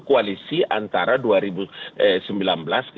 koalisi antara dua ribu sembilan belas ke dua ribu dua puluh empat